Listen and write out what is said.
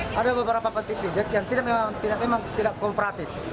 ada beberapa panti pijat yang memang tidak kooperatif